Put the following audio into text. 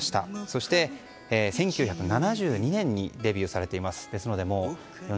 そして、１９７２年にデビューされています。